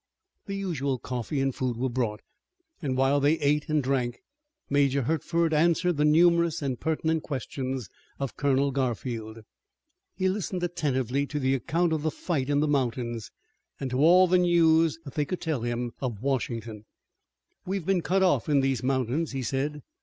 The usual coffee and food were brought, and while they ate and drank Major Hertford answered the numerous and pertinent questions of Colonel Garfield. He listened attentively to the account of the fight in the mountains, and to all the news that they could tell him of Washington. "We have been cut off in these mountains," he said.